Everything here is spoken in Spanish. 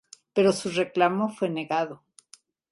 Pero su reclamo fue negado.